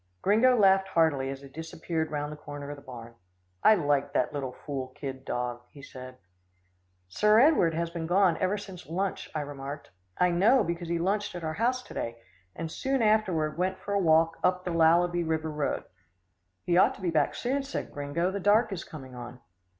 Gringo laughed heartily, as he disappeared round the corner of the barn. "I like that little fool kid dog," he said. "Sir Edward has been gone ever since lunch," I remarked. "I know, because he lunched at our house to day, and soon afterward went for a walk up the Lalabee River road." "He ought to be back soon," said Gringo, "the dark is coming on."